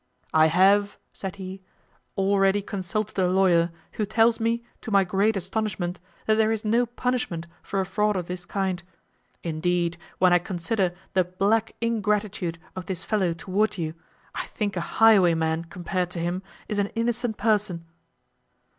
"I have," said he, "already consulted a lawyer, who tells me, to my great astonishment, that there is no punishment for a fraud of this kind. Indeed, when I consider the black ingratitude of this fellow toward you, I think a highwayman, compared to him, is an innocent person."